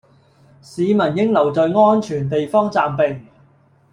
市民應留在安全地方暫避